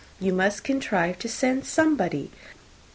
You must contrive to send somebody.